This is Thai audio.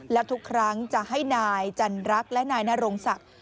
และทุกครั้งจะให้นายจันรักและนายนรงศักดิ์